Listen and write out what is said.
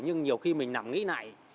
nhưng nhiều khi mình nằm nghĩ lại